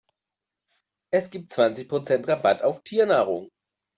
Es gibt zwanzig Prozent Rabatt auf Tiernahrung.